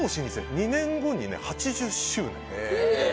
２年後に８０周年。